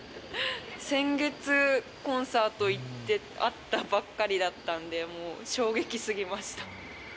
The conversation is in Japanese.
先月、コンサート行って会ったばっかりだったんで、衝撃すぎました。